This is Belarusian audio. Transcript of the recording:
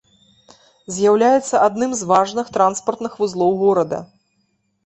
З'яўляецца адным з важных транспартных вузлоў горада.